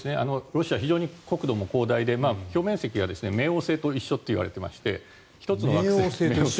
ロシアは非常に国土が広大で表面積が冥王星と一緒といわれていまして。